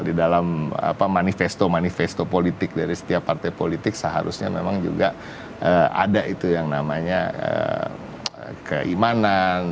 di dalam manifesto manifesto politik dari setiap partai politik seharusnya memang juga ada itu yang namanya keimanan